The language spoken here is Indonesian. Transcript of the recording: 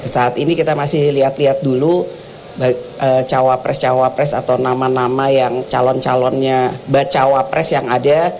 saat ini kita masih lihat lihat dulu bacawa press atau nama nama yang calon calonnya bacawa press yang ada